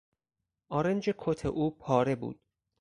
آرنج کت او پاره بود.